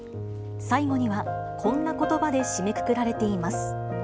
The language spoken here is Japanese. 最後には、こんなことばで締めくくられています。